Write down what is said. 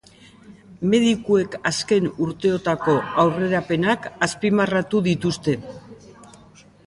Medikuek azken urteotako aurrerapenak azpimarratu dituzte.